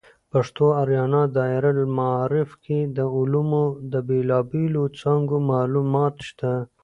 پښتو آریانا دایرة المعارف کې د علومو د بیلابیلو څانګو معلومات شته.